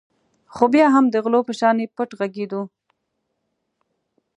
خو بیا هم د غلو په شانې پټ غږېدو.